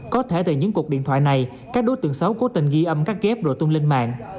có thể từ những cuộc điện thoại này các đối tượng xấu cố tình ghi âm các ghép rồi tung lên mạng